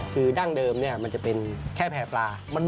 คือดั้งเดิมมันจะเป็นแค่แพร่ปลา